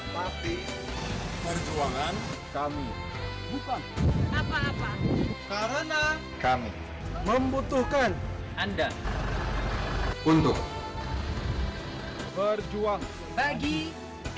tapi perjuangan kami bukan apa apa karena kami membutuhkan anda untuk berjuang bagi kami